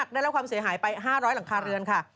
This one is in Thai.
ได้รับความเสียหายไป๕๐๐หลังคาเรือนค่ะ